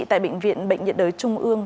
tại bệnh viện bệnh nhiệt đới trung ương